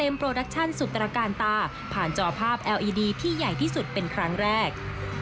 มีที่ใหญ่ที่สุดเป็นครั้งแรก